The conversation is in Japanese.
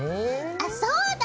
あそうだ！